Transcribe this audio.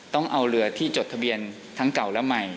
ต้องเอาเรือที่จดทะเบียนทั้งเก่าและใหม่